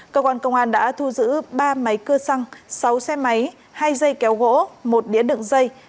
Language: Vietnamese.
cơ quan công an đã thu giữ ba máy cơ xăng sáu xe máy hai dây kéo gỗ một đĩa đường dây